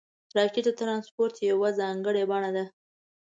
راکټ د ترانسپورټ یوه ځانګړې بڼه ده